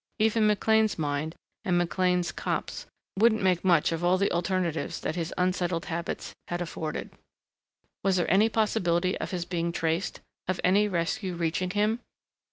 Even McLean's mind and McLean's Copts wouldn't make much of all the alternatives that his unsettled habits had afforded. Was there any possibility of his being traced, of any rescue reaching him?